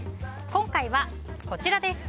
今回はこちらです。